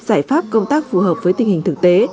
giải pháp công tác phù hợp với tình hình thực tế